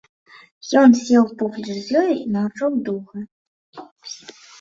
Ён сеў поплеч з ёю і маўчаў доўга.